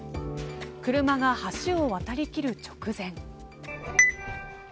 車が橋を渡りきる直前。